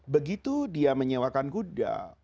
begitu dia menyewakan kuda